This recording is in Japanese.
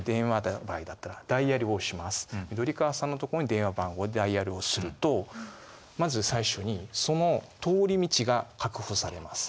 緑川さんのところに電話番号でダイヤルをするとまず最初にその通り道が確保されます。